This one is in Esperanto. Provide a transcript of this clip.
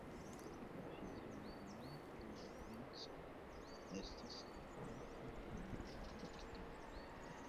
La fizionomio de l' princo estis konforma al lia karaktero.